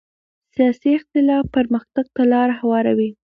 سیاسي اختلاف پرمختګ ته لاره هواروي